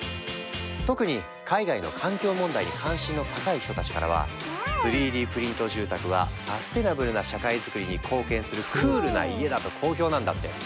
特に海外の環境問題に関心の高い人たちからは３Ｄプリント住宅はサステナブルな社会づくりに貢献するクールな家だと好評なんだって。